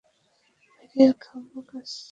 বাইরেই খাব, কাজ আছে।